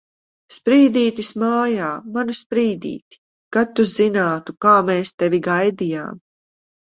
Sprīdītis mājā! Manu Sprīdīti! Kad tu zinātu, kā mēs tevi gaidījām!